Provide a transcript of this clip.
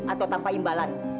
atau tanpa imbalan